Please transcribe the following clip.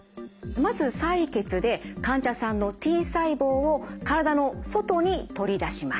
まず採血で患者さんのＴ細胞を体の外に取り出します。